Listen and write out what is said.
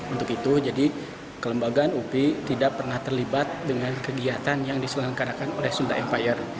untuk itu jadi kelembagaan upi tidak pernah terlibat dengan kegiatan yang diselenggarakan oleh sunda empire